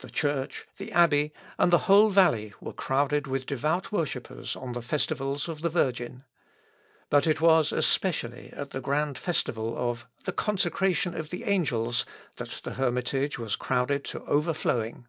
The church, the abbey, and the whole valley were crowded with devout worshippers on the festivals of the Virgin. But it was especially at the grand festival of "the consecration of the angels," that the hermitage was crowded to overflowing.